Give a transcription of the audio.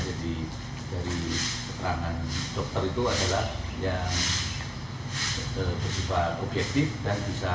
jadi dari keterangan dokter itu adalah yang bersifat objektif dan bisa dijawabkan